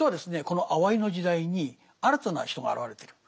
このあわいの時代に新たな人が現れてる。